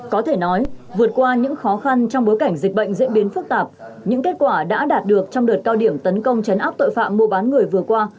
có thể nói vượt qua những khó khăn trong bối cảnh dịch bệnh diễn biến phức tạp những kết quả đã đạt được trong đợt cao điểm tấn công chấn áp tội phạm mua bán người vừa qua